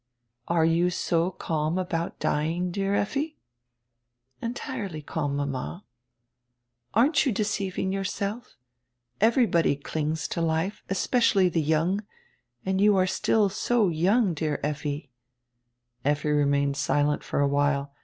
"Are you so calm about dying, dear Lffi?" "Entirely calm, mama." "Aren't you deceiving yourself? Everybody clings to life, especially the young, and you are still so young, dear Effi." Effi remained silent for a while.